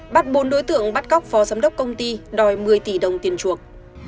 bắt bốn đối tượng bắt cóc phó giám đốc công ty đòi một mươi tỷ đồng tiền chuộc